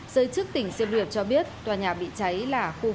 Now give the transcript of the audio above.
giới chức tỉnh siem reap cho biết tòa nhà bị cháy là khu vực văn phòng